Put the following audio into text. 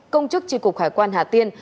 công chức chi cục hải quan hà tiên